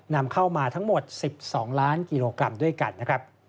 นำเข้ามาทั้งหมด๑๒ล้านกิโลกรัมด้วยกันนะครับ